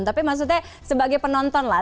tapi maksudnya sebagai penonton lah